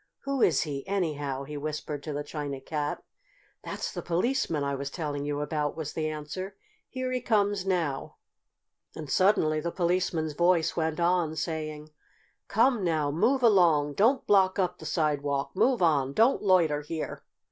"Who is he, anyhow?" he whispered to the China Cat. "That's the Policeman I was telling you about," was the answer. "Here he comes now!" And suddenly the Policeman's voice went on, saying: "Come now! Move along! Don't block up the sidewalk! Move on! Don't loiter here!"